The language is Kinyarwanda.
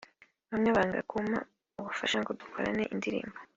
bamwe banga kumpa ubufasha ngo dukorane indirimbo